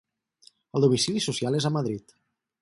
El domicili social és a Madrid.